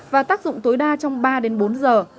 và tác dụng tối đa trong ba đến bốn giờ